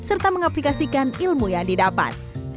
serta mengaplikasikan ilmu yang didapat